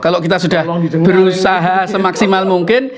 kalau kita sudah berusaha semaksimal mungkin